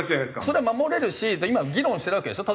それは守れるし今議論してるわけでしょ？